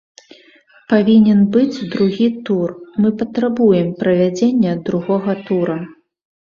Павінен быць другі тур, мы патрабуем правядзення другога тура.